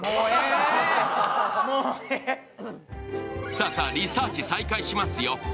さぁさぁ、リサーチ再開しますよ。